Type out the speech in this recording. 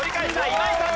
今井さん